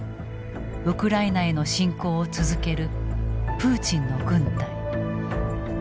ウクライナへの侵攻を続ける「プーチンの軍隊」。